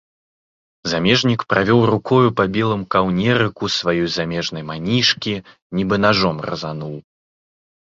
Замежнік правёў рукою па белым каўнерыку сваёй замежнай манішкі, нібы нажом разануў.